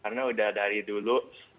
karena udah dari dulu